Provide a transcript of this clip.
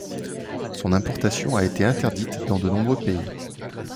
Son importation a été interdite dans de nombreux pays.